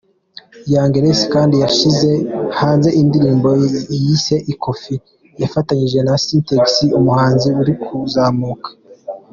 Young Grace kandi yashyize hanze indirimbo yise “Ikofi” yafatanyije na Syntex, umuhanzi uri kuzamuka.